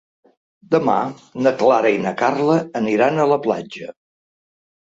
Demà na Clara i na Carla aniran a la platja.